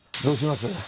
どうします？